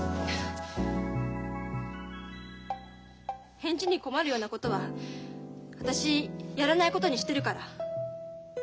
返事に困るようなことは私やらないことにしてるから。